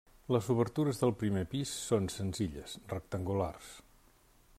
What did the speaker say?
Les obertures del primer pis són senzilles, rectangulars.